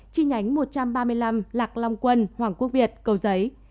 chi nhánh một trăm ba mươi năm lạc long quân hoàng quốc việt cầu giấy